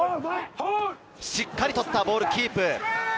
しっかり捕った、ボールキープ。